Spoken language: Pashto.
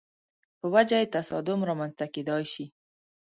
په وجه یې تصادم رامنځته کېدای شي.